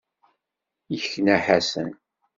Yekna Ḥasan.